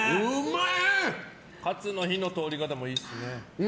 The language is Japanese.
カツの火の通り方もいいですね。